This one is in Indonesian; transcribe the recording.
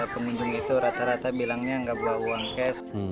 pengunjung itu rata rata bilangnya nggak bawa uang cash